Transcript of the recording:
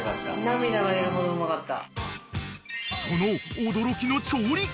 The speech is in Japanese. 涙が出るほどうまかった。